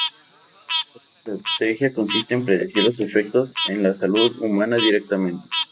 Otra estrategia consiste en predecir los efectos en la salud humana directamente.